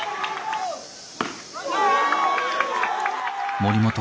森本